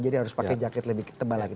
jadi harus pakai jaket lebih tebal lagi